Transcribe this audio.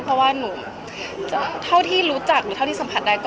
เพราะว่าหนูเท่าที่รู้จักหรือเท่าที่สัมผัสได้ก็